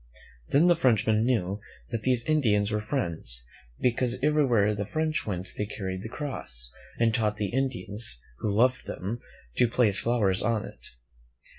Then the Frenchmen knew that these Indians were friends, because every where the French went they carried the cross, and taught the Indians, who loved them, to place flowers on it.